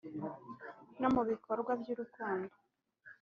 no mu bikorwa by’urukundo